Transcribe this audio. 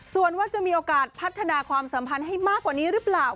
ส่วนว่าจะมีโอกาสพัฒนาความสัมพันธ์ให้มากกว่านี้หรือเปล่า